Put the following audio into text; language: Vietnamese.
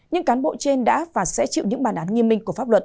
những cán bộ trên đã và sẽ chịu những bản án nghiêm minh của pháp luật